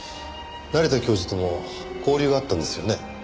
成田教授とも交流があったんですよね？